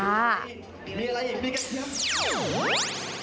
มีอะไรอย่างนี้กะเย็บ